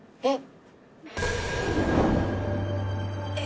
えっ。